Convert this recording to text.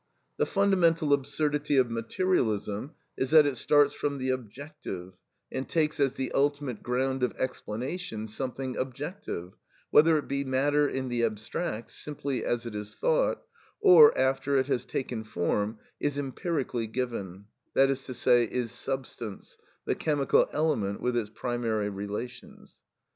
The fundamental absurdity of materialism is that it starts from the objective, and takes as the ultimate ground of explanation something objective, whether it be matter in the abstract, simply as it is thought, or after it has taken form, is empirically given—that is to say, is substance, the chemical element with its primary relations.